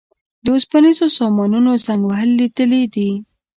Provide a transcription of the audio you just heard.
د اوسپنیزو سامانونو زنګ وهل لیدلي دي.